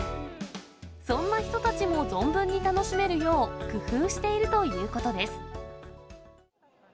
そんな人たちも存分に楽しめるよう、工夫しているということです。